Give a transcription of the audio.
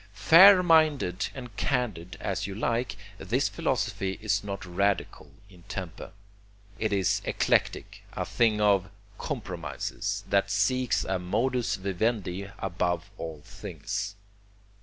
Fair minded and candid as you like, this philosophy is not radical in temper. It is eclectic, a thing of compromises, that seeks a modus vivendi above all things.